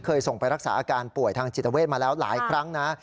ส่งไปรักษาอาการป่วยทางจิตเวทมาแล้วหลายครั้งนะ